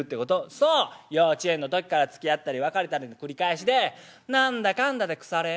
「そう幼稚園の時からつきあったり別れたりの繰り返しで何だかんだで腐れ縁」。